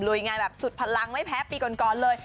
งานแบบสุดพลังไม่แพ้ปีก่อนเลย